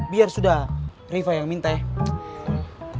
biar sudah riva yang minta ya